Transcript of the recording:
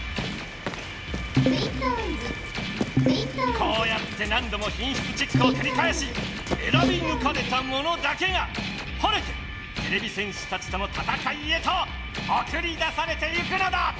こうやって何度もひんしつチェックをくりかえしえらびぬかれたものだけが晴れててれび戦士たちとのたたかいへとおくりだされてゆくのだ！